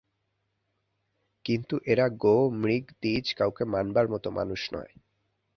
কিন্তু এরা গো-মৃগ-দ্বিজ কাউকে মানবার মতো মানুষ নয়।